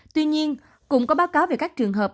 tuy nhiên cũng có báo cáo về các trường hợp